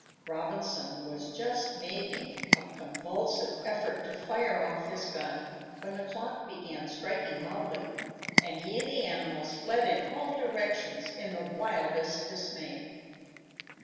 Robinson was just making a convulsive effort to fire off his gun, when the clock began striking loudly, and he and the animals fled in all directions in the wildest dismay.